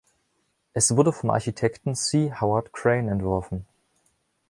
Es wurde vom Architekten C. Howard Crane entworfen.